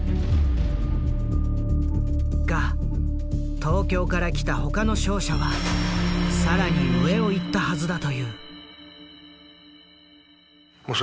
が東京から来た他の商社は更に上を行ったはずだという。